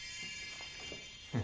うん。